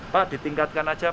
pak ditingkatkan aja pak